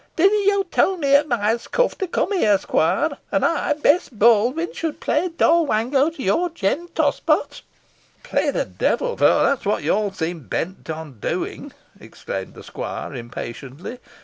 "Didna yo tell me at Myerscough to come here, squire, an ey, Bess Baldwyn, should play Doll Wango to your Jem Tospot?" "Play the devil! for that's what you all seem bent upon doing," exclaimed the squire, impatiently.